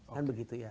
kan begitu ya